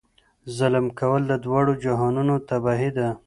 ظلم کول د دواړو جهانونو تباهي ده.